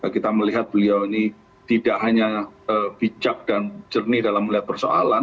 kita melihat beliau ini tidak hanya bijak dan jernih dalam melihat persoalan